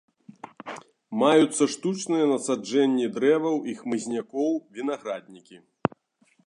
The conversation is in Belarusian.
Маюцца штучныя насаджэнні дрэваў і хмызнякоў, вінаграднікі.